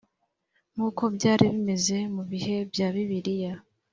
nk uko byari bimeze mu bihe bya bibiliya